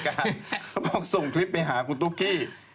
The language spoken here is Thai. ก็ส่งคลิปไปหาคุณตุ๊กกี้